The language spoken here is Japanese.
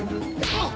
あっ！